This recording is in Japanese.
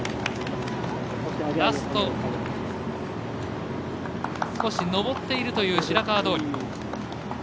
ラスト、少し上っているという白川通。